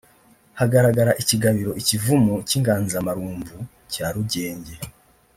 Hagaragara ikigabiro (ikivumu cy’inganzamarumbu) cya Rugenge